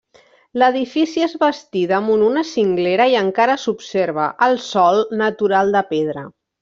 L'edifici es bastí damunt una cinglera i encara s'observa el sòl natural de pedra.